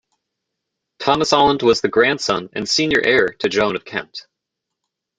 Thomas Holland was the grandson and senior heir to Joan of Kent.